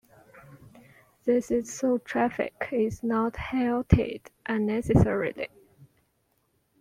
This is so traffic is not halted unnecessarily.